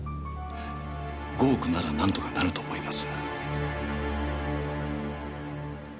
５億ならなんとかなると思います。